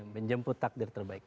menjemput takdir terbaik